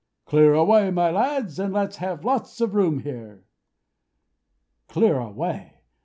"Clear away, my lads, and let's have lots of room here!" Clear away!